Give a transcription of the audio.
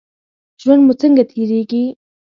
ژوند مو څنګه تیریږي؟